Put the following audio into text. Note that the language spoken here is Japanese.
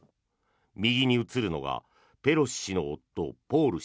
右に映るのがペロシ氏の夫・ポール氏。